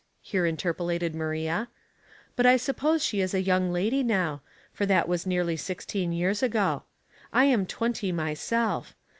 ' here interpolated Maria) ; but I suppose she is a young lady now, for that was nearly sixteen years ago. I am twenty myself.